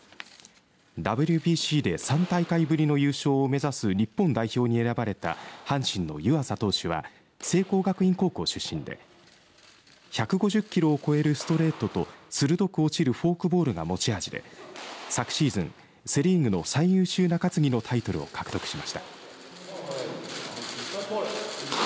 ＷＢＣで３大会ぶりの優勝を目指す日本代表に選ばれた阪神の湯浅投手は聖光学院高校出身で１５０キロを超えるストレートと鋭く落ちるフォークボールが持ち味で昨シーズンセ・リーグの最優秀中継ぎのタイトルを獲得しました。